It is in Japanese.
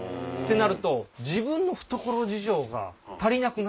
なると自分の懐事情が足りなくなるんですよ。